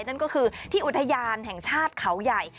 นั่นก็คือที่อุทยานแห่งชาติเขาใหญ่